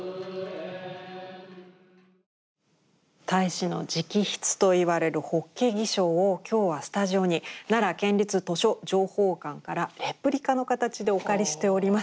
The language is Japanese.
太子の直筆といわれる「法華義疏」を今日はスタジオに奈良県立図書情報館からレプリカの形でお借りしております。